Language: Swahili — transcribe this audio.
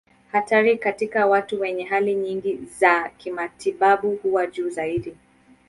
Hatari katika watu wenye hali nyingi za kimatibabu huwa juu zaidi.